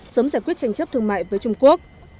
sớm giải quyết tranh chấp thương mại với trung quốc